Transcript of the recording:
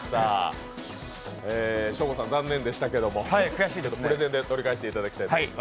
ショーゴさん、残念でしたけど、プレゼンで取り返していただきたいと思います。